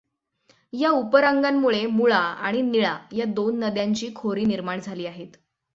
ह्या उपरांगांमुळे मुळा आणि निळा ह्या दोन नद्यांची खोरी निर्माण झाली आहेत.